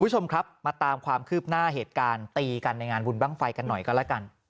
คุณผู้ชมครับมาตามความคืบหน้าเหตุการณ์ตีกันในงานบุญบ้างไฟกันหน่อยก็แล้วกัน